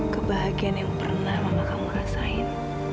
kebahagiaan yang pernah mama kamu rasain